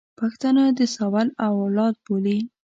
پښتانه د ساول اولاد بولي.